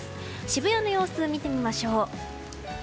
渋谷の様子を見てみましょう。